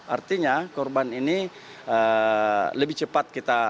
artinya korban ini lebih cepat kita